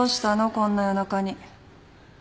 こんな夜中に。